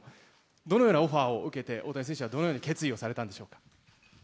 どのようなオファーを受けて、大谷選手はどのように決意をされたんでしょうか？